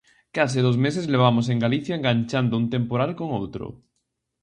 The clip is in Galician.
Case dous meses levamos en Galicia enganchando un temporal con outro.